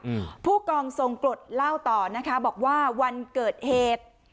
อืมผู้กองทรงกรดเล่าต่อนะคะบอกว่าวันเกิดเหตุ